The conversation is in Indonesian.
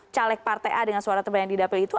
caleg partai a dengan suara terbayang di dapil itu